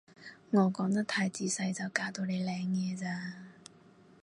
我講得太仔細就搞到你領嘢咋